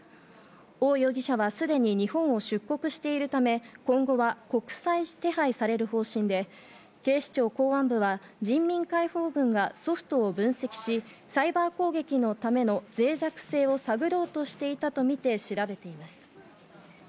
オウ容疑者はすでに日本を出国しているため、今後は国際手配される方針で、警視庁公安部は人民解放軍がソフトを分析し、サイバー攻撃のための脆弱性を探ろうとしていたとみて調べています。